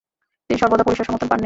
তিনি সর্বদা পুলিশের সমর্থন পাননি।